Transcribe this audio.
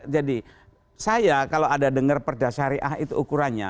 jadi saya kalau ada dengar perda syariah itu ukurannya